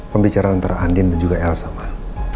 pembicaraan antara andin dan juga elsa mah